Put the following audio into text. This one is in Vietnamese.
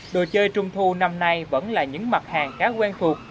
đồ chơi trung thu năm nay vẫn là những mặt hàng khá quen phục